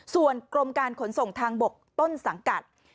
ส่วนกรมการขนส่งทางบกต้นสังกัด